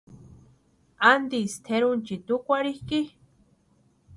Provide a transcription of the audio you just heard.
¿Antisï tʼerunchiti úkwarhikʼi?